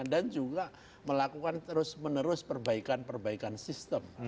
dan juga melakukan terus menerus perbaikan perbaikan sistem